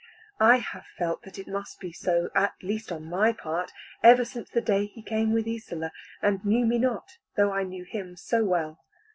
I have felt that it must be so, at least on my part, ever since the day he came with Isola, and knew me not, though I knew him so well.